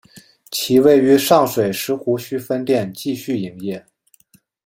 其位于上水石湖墟分店继续营业。